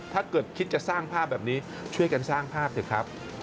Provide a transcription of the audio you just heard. ถ้าเกิดคิดจะสร้างภาพแบบนี้ช่วยกันสร้างภาพเถอะครับ